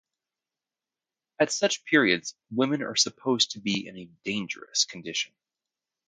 At such periods women are supposed to be in a dangerous condition.